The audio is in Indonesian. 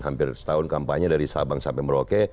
hampir setahun kampanye dari sabang sampai merauke